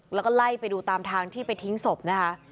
แล้วก็ไล่ไปดูตามทางที่ไปทิ้งศพนะคะ